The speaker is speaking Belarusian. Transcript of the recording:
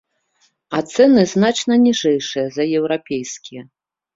А цэны значна ніжэйшыя за еўрапейскія.